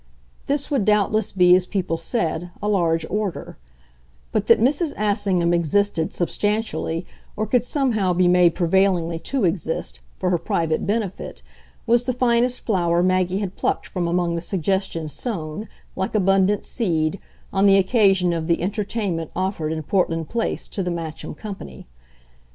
This would doubtless be, as people said, a large order; but that Mrs. Assingham existed, substantially, or could somehow be made prevailingly to exist, for her private benefit, was the finest flower Maggie had plucked from among the suggestions sown, like abundant seed, on the occasion of the entertainment offered in Portland Place to the Matcham company.